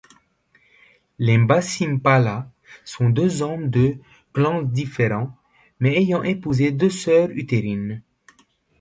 Les mbasi mpala sont deux hommes de clansdifférents, mais ayant épousé deux soeurs utérines.